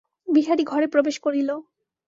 বিহারী ঘরে প্রবেশ করিল।